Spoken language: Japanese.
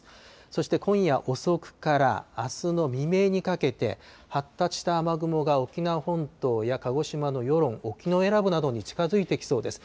そして今夜遅くからあすの未明にかけて、発達した雨雲が沖縄本島や鹿児島のよろん、沖永良部などに近づいてきそうです。